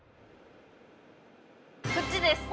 こっちです！